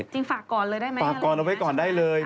จริงฝากก่อนเลยได้ไหม